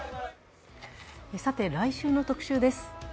来週の「特集」です。